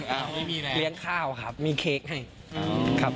ไม่มีแรงเลี้ยงข้าวครับมีเค้กให้ครับ